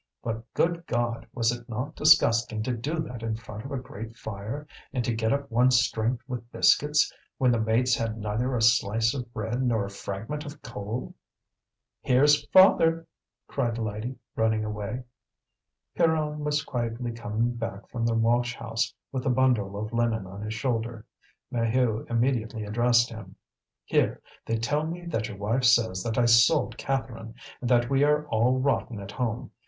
But, good God! was it not disgusting to do that in front of a great fire, and to get up one's strength with biscuits, when the mates had neither a slice of bread nor a fragment of coal? "Here's father!" cried Lydie, running away. Pierron was quietly coming back from the washhouse with the bundle of linen on his shoulder. Maheu immediately addressed him: "Here! they tell me that your wife says that I sold Catherine, and that we are all rotten at home.